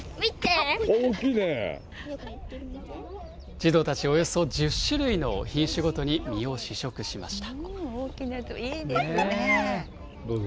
児童たち、およそ１０種類の品種ごとに、実を試食しました。